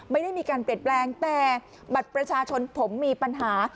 ไม่ได้มีการเปลี่ยนแปลงแต่บัตรประชาชนผมมีปัญหา